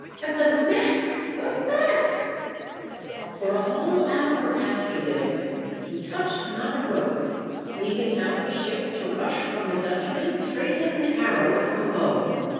And the mess ! the mess !" For a whole hour after this we touched not a rope, leaving our ship to rush from the Dutchman straight as an arrow from a bow.